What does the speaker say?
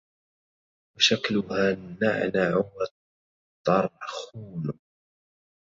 وشكلُها النَّعنعُ والطَّرْخونُ